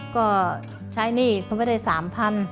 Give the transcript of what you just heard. ก็ใช้หนี้เขาไม่ได้๓๐๐บาท